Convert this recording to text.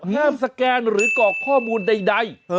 สแกนหรือกรอกข้อมูลใด